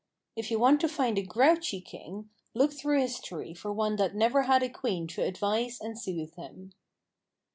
If you want to find a grouchy king, look through history for one that never had a queen to advise and soothe him.